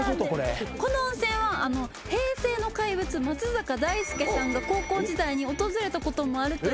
この温泉は平成の怪物松坂大輔さんが高校時代に訪れたこともあるという。